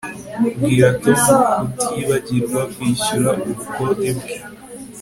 Bwira Tom kutibagirwa kwishyura ubukode bwe